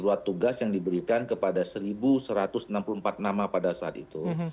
dua tugas yang diberikan kepada seribu satu ratus enam puluh empat nama pada saat itu